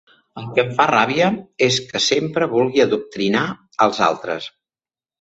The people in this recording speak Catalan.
El que em fa ràbia és que sempre vulgui adoctrinar els altres.